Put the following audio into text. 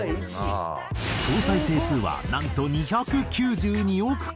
総再生数はなんと２９２億回。